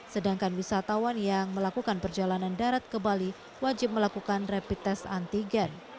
sedangkan wisatawan yang melakukan perjalanan darat ke bali wajib melakukan rapid test antigen